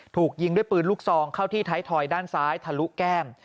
ถูกยิงด้วยปืนลูกซองเข้าที่ไทยทอยด้านซ้ายทะลุแก้ม